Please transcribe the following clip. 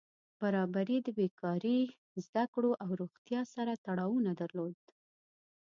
برابري د بېکاري، زده کړو او روغتیا سره تړاو نه درلود.